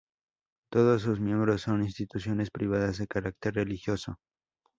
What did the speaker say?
Todos sus miembros son instituciones privadas de carácter religioso.